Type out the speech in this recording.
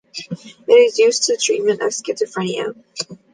It is used in the treatment of schizophrenia.